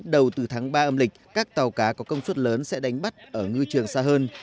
bắt đầu từ tháng ba âm lịch các tàu cá có công suất lớn sẽ đánh bắt ở ngư trường xa hơn